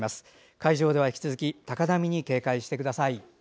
海上では引き続き高波に警戒してください。